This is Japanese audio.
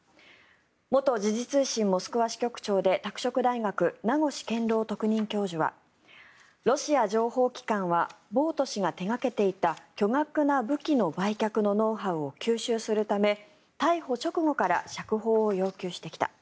元時事通信モスクワ支局長で拓殖大学、名越健郎特任教授はロシア情報機関はボウト氏が手掛けていた巨額な武器の売却のノウハウを吸収するため逮捕直後から釈放を要求してきた。